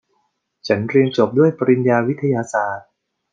ฉันเรียนจบด้วยปริญญาวิทยาศาสตร์